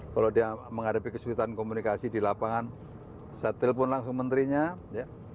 kalau dia menghadapi kesulitan komunikasi di lapangan saya telepon langsung menterinya ya